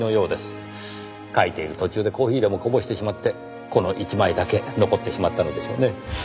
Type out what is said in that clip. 書いている途中でコーヒーでもこぼしてしまってこの１枚だけ残ってしまったのでしょうねぇ。